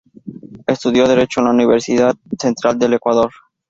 Estudió Derecho en la Universidad Central del Ecuador.